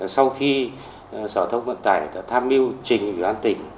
sau khi giao thông vận tải đã tham mưu trình nhân dân tỉnh